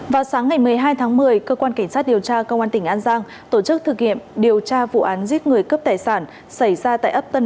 vào sáng ngày một mươi hai tháng một mươi cơ quan cảnh sát điều tra công an tỉnh an giang tổ chức thử nghiệm điều tra vụ án giết người cấp tài sản